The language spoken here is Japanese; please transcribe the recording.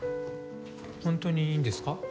ホントにいいんですか？